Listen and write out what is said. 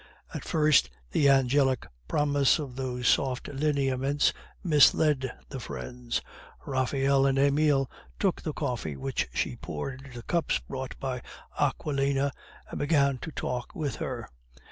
At first the angelic promise of those soft lineaments misled the friends. Raphael and Emile took the coffee which she poured into the cups brought by Aquilina, and began to talk with her.